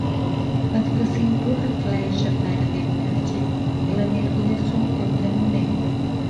Quando você empurra a flecha para a verdade, ela mergulha sua ponta no mel.